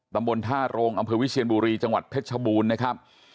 ตำบลท่าโรงอำเภอวิเชียนบุรีจังหวัดเพชรชบูรณ์นะครับ